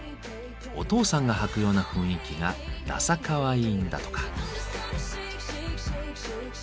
お父さんが履くような雰囲気がダサかわいいんだとか。